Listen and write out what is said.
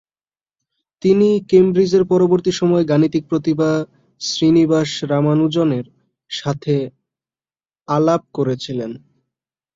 তিনি কেমব্রিজের পরবর্তী সময়ে গাণিতিক প্রতিভা শ্রীনিবাস রামানুজনের সাথে আলাপ করেছিলেন।